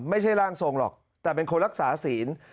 ไม่ใช่ร่างทรงหรอกแต่เป็นคนรักษาศีล